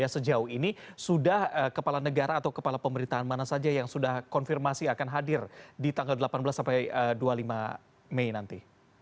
sejauh ini sudah kepala negara atau kepala pemerintahan mana saja yang sudah konfirmasi akan hadir di tanggal delapan belas sampai dua puluh lima mei nanti